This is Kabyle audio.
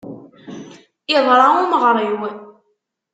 Iḍṛa umeɣṛiw.